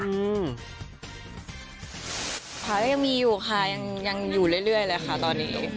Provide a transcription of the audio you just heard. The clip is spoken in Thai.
อืมค่ะก็ยังมีอยู่ค่ะยังอยู่เรื่อยเลยค่ะตอนนี้